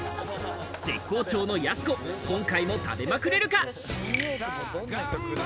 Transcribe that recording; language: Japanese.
絶好調のやす子、今回も食べまくれるか。